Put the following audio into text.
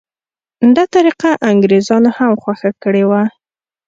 دا طریقه انګریزانو هم خوښه کړې وه.